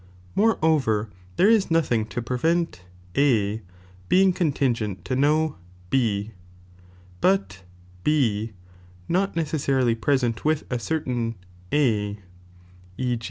Moreover, there is nothing to prevent A being contingent to no B, but B not necessarily present with a certain A, e.